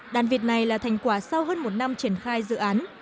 đàn vịt này là thành quả sau hơn một năm triển khai dự án